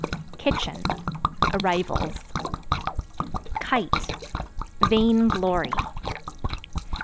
Kitchen Arrivals. Kite Vain glory.